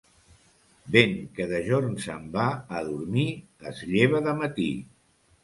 Vent que de jorn se'n va a dormir, es lleva de matí.